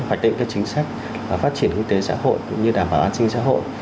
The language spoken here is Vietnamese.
hoạch định các chính sách phát triển kinh tế xã hội cũng như đảm bảo an sinh xã hội